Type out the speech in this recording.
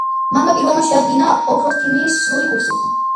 მანვე პირველმა შეადგინა აგროქიმიის სრული კურსი.